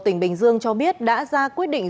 tỉnh bình dương cho biết đã ra quyết định